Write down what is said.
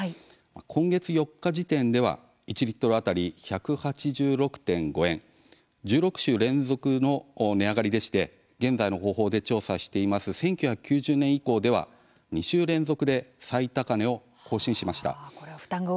今月４日時点では１リットル当たり１８６．５円１６週連続の値上がりでして現在の方法で調査している１９９０年以降では２週連続で最高値を更新しました。